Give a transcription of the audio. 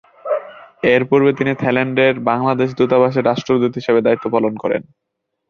এর পূর্বে তিনি থাইল্যান্ডের বাংলাদেশ দূতাবাসে রাষ্ট্রদূত হিসেবে দায়িত্ব পালন করেন।